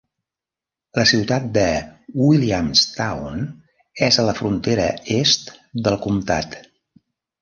La ciutat de Williamstown és a la frontera est del comtat.